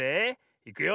いくよ。